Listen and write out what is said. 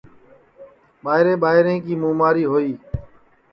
ٻائرے ٻائرے کی مُماری ہوئی